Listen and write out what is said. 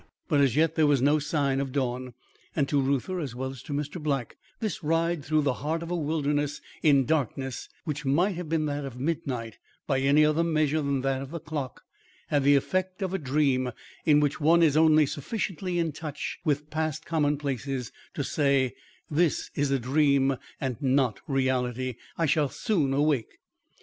But as yet there were no signs of dawn; and to Reuther, as well as to Mr. Black, this ride through the heart of a wilderness in a darkness which might have been that of midnight by any other measure than that of the clock, had the effect of a dream in which one is only sufficiently in touch with past commonplaces to say, "This is a dream and not reality. I shall soon wake."